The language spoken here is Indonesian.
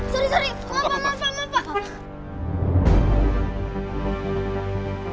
sori sori maaf pak maaf pak